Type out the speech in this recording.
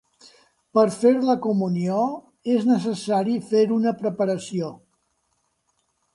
Per fer la comunió, és necessari fer una preparació.